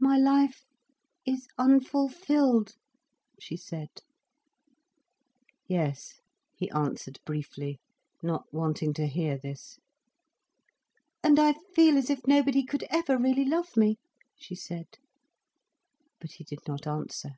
"My life is unfulfilled," she said. "Yes," he answered briefly, not wanting to hear this. "And I feel as if nobody could ever really love me," she said. But he did not answer.